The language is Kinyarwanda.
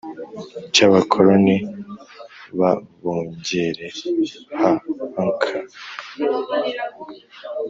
cy abakoloni b AbongereHakha